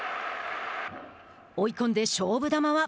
追い込んで勝負球は。